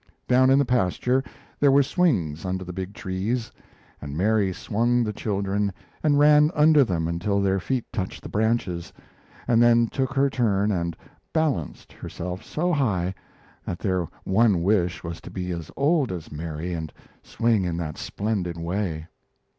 Down in the pasture there were swings under the big trees, and Mary swung the children and ran under them until their feet touched the branches, and then took her turn and "balanced" herself so high that their one wish was to be as old as Mary and swing in that splendid way.